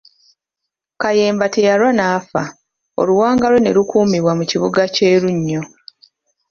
Kayemba teyalwa n'afa oluwanga lwe ne lukuumirwa mu kibuga kye Lunnyo.